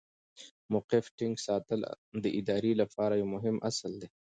د موقف ټینګ ساتل د ادارې لپاره یو مهم اصل دی.